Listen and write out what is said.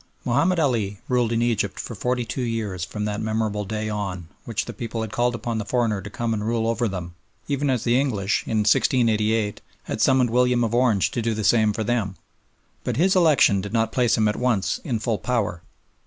Mahomed Ali ruled in Egypt for forty two years from that memorable day on which the people had called upon the foreigner to come and rule over them, even as the English, in 1688, had summoned William of Orange to do the same for them. But his election did not place him at once in full power.